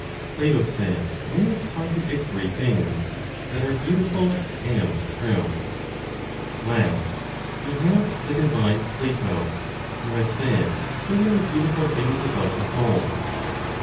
PLATO SAYS MANY CONTRADICTORY THINGS THAT ARE BEAUTIFUL AND TRUE. Last, we have the divine Plato, who has said so many beautiful things about the soul.